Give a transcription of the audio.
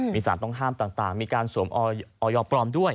มีสารต้องห้ามต่างมีการสวมออยปลอมด้วย